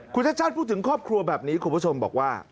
คุณชาติชาติพูดถึงครอบครัวแบบนี้คุณผู้ชมบอกว่า